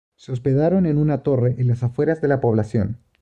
Se hospedaron en una torre en las afueras de la población.